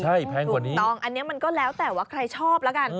ถูกต้องอันนี้มันก็แล้วแต่ว่าใครชอบละกัน